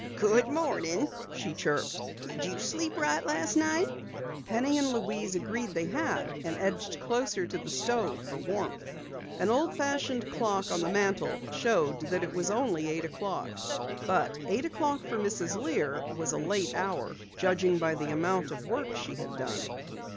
"Good morning," she chirped. "Did you sleep right last night?" Penny and Louise agreed that they had and edged close to the stove for warmth. An old fashioned clock on the mantel showed that it was only eight o'clock. But eight o'clock for Mrs. Lear was a late hour, judging by the amount of work she had done.